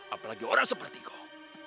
apalagi orang seperti kau